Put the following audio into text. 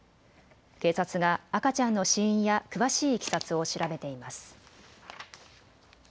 警察が赤ちゃんの死因や詳しいいきさつを調べています。